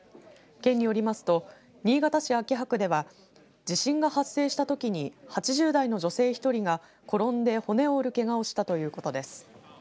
県によりますと新潟市秋葉区では地震が発生したときに８０代の女性１人が転んで骨を折るけがをしたということです。